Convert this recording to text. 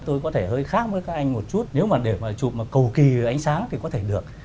tôi có thể hơi khác với các anh một chút nếu mà để mà chụp mà cầu kỳ ánh sáng thì có thể được